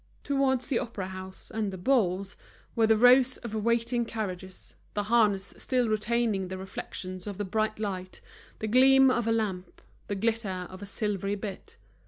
Towards the Opera house and the Bourse were the rows of waiting carriages, the harness still retaining the reflections of the bright light, the gleam of a lamp, the glitter of a silvered bit.